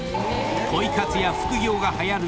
ポイ活や副業がはやる